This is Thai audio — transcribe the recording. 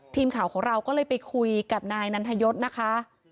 ทีมข่าวของเราก็เลยไปคุยกับนายนันทยศนะคะ